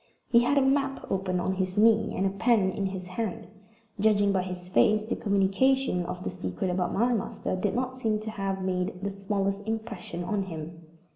He had a map open on his knee, and a pen in his hand. Judging by his face, the communication of the secret about my master did not seem to have made the smallest impression on him.